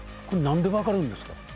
これ何で分かるんですか？